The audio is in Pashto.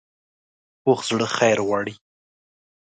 پوخ زړه خیر غواړي